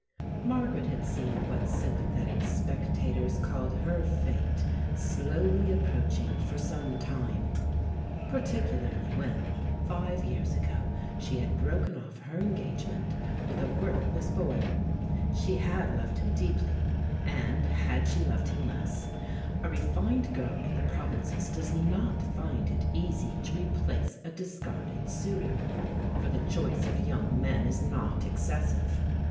Margaret had seen what sympathetic spectators called her "fate" slowly approaching for some time particularly when, five years ago, she had broken off her engagement with a worthless boy. She had loved him deeply, and, had she loved him less, a refined girl in the provinces does not find it easy to replace a discarded suitor for the choice of young men is not excessive.